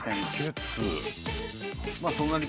まあそんなに。